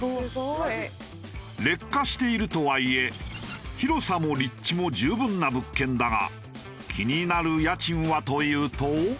劣化しているとはいえ広さも立地も十分な物件だが気になる家賃はというと。